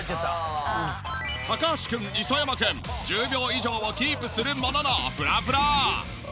高橋くん磯山くん１０秒以上をキープするもののフラフラ。